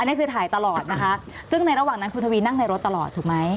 นี่คือถ่ายตลอดนะคะซึ่งในระหว่างนั้นคุณทวีนั่งในรถตลอดถูกไหม